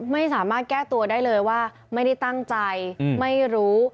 ไม่สามารถแก้ตัวได้เลยว่าไม่ได้ตั้งใจไม่รู้